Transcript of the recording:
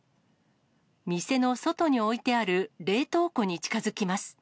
店の外に置いてある冷凍庫に近づきます。